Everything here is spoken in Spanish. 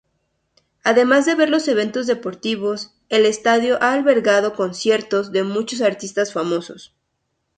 Además de los eventos deportivos, el estadio ha albergado conciertos de muchos artistas famosos.